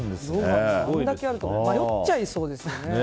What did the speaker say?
これだけあると迷っちゃいそうですよね。